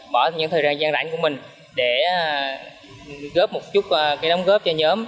bỏ những thời gian gian rảnh của mình để góp một chút cái đóng góp cho nhóm